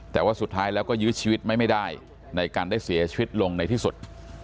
แต่ว่าสุดท้ายแล้วก็ยื้อชีวิตไม่ได้ในการได้เสียชีวิตลงในที่สุด